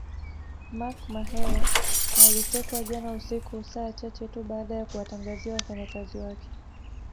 Mark Mahela alitekwa jana usiku saa chache tu baada ya kuwatangazia wafanyakazi wake